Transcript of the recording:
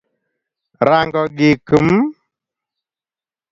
Rango gik m